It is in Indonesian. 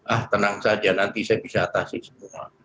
ah tenang saja nanti saya bisa atasi semua